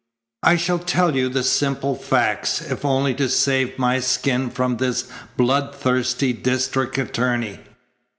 "I shall tell you the simple facts, if only to save my skin from this blood thirsty district attorney."